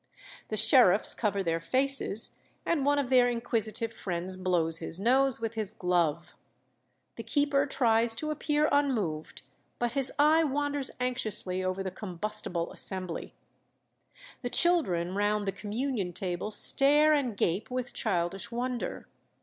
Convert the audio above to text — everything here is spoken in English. The sheriffs cover their faces, and one of their inquisitive friends blows his nose with his glove. The keeper tries to appear unmoved, but his eye wanders anxiously over the combustible assembly. The children round the communion table stare and gape with childish wonder.